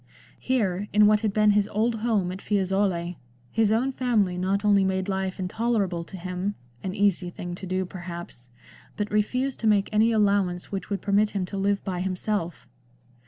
Here, in what had been his old home at Fiesole, his own family not only made life intolerable to him — an easy thing to do perhaps — but refused to make any allowance which would permit him to live by himself.